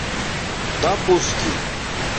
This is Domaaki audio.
دپُݸس کی